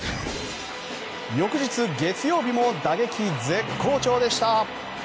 翌日月曜日も打撃絶好調でした。